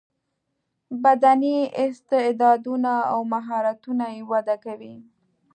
بدني استعداونه او مهارتونه یې وده کوي.